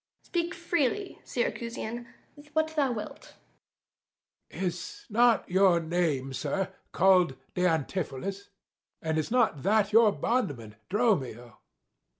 _ Speak freely, Syracusian, what thou wilt. 285 Æge. Is not your name, sir, call'd Antipholus? And is not that your bondman, Dromio? _Dro.